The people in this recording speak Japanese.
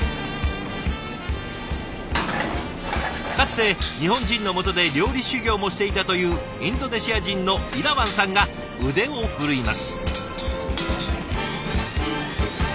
かつて日本人のもとで料理修業もしていたというインドネシア人のイラワンさんが腕を振るいます。